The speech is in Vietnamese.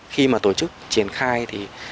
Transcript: khi mà tổ chức triển khai thì